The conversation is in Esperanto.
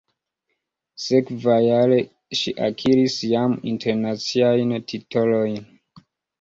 Sekvajare, ŝi akiris jam internaciajn titolojn.